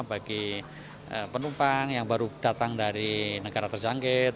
bagi penumpang yang baru datang dari negara terjangkit